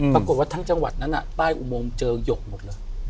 กระทั่งจังหวัดนั้นใต้อุโมงเจอหยกหมดเลย